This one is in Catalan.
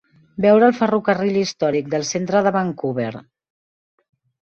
Veure el ferrocarril històric del centre de Vancouver.